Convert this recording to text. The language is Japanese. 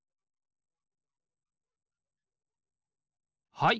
はい。